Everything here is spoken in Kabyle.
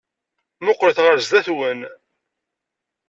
Mmuqqlet ɣer sdat-wen.